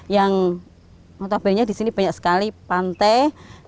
yang notabene nya di sini banyak sekali pantai